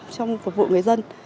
trong phục vụ người dân